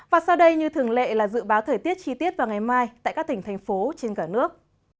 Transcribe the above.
và sau đây như thường lệ là dự báo thời tiết chi tiết vào ngày mai tại các tỉnh thành phố trên cả nước